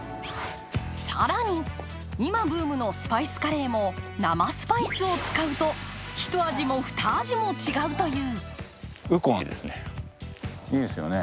更に、今ブームのスパイスカレーも生スパイスを使うとひと味もふた味も違うという。